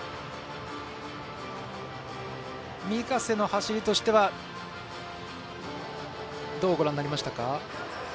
御家瀬の走りとしてはどうご覧になりましたか。